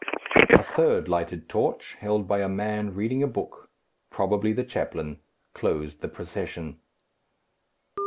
A third lighted torch, held by a man reading a book, probably the chaplain, closed the procession.